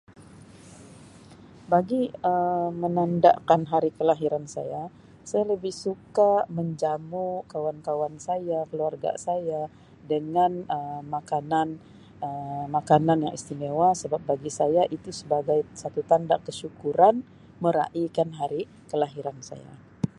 Bagi Um menandakan hari kelahiran saya saya lebih suka menjamu kawan-kawan saya keluarga saya dengan Um makanan Um makanan yang istimewa sebab bagi saya itu sebagai satu tanda kesyukuran meraihkan hari kelahiran saya.